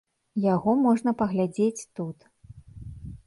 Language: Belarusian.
Яго можна паглядзець тут.